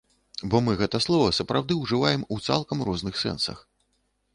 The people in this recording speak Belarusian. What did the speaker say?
Бо мы гэта слова сапраўды ўжываем у цалкам розных сэнсах.